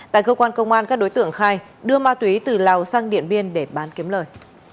tại cơ quan công an các đối tượng khai đưa ma túy từ lào sang điện biên để bán kiếm lời